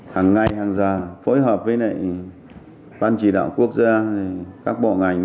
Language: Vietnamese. hàng ngày hàng giờ phối hợp với ban chỉ đạo quốc gia các bộ ngành